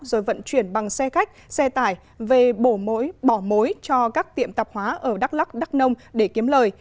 rồi vận chuyển bằng xe khách xe tải về bổ mối bỏ mối cho các tiệm tạp hóa ở đắk lắc đắk nông để kiếm lời